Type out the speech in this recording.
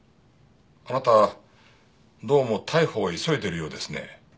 あなたどうも逮捕を急いでるようですね。